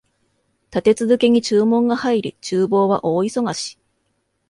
立て続けに注文が入り、厨房は大忙し